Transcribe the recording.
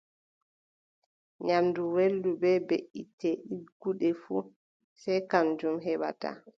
Nyaamdu welndu bee beʼitte ɗigguɗe fuu, sey kanjum heɓata.